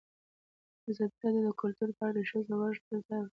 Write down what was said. ازادي راډیو د کلتور په اړه د ښځو غږ ته ځای ورکړی.